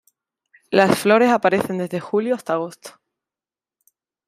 Las flores aparecen desde julio hasta agosto.